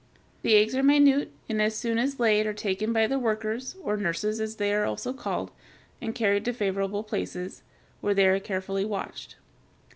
The eggs are minute, and as soon as laid are taken by the workers, or nurses, as they are also called, and carried to favorable places, where they are carefully watched.